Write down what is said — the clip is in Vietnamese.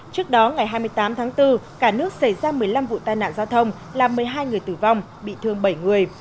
trước đó ngày hai mươi tám tháng bốn cả nước xảy ra một mươi năm vụ tai nạn giao thông làm một mươi hai người tử vong bị thương bảy người